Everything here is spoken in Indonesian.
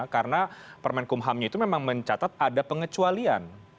karena permenkumhamnya itu memang mencatat ada pengecualian